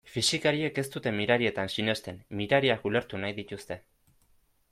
Fisikariek ez dute mirarietan sinesten, mirariak ulertu nahi dituzte.